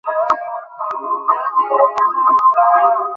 আমার লজ্জা করছে।